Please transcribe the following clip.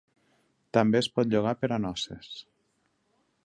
També es pot llogar per a noces.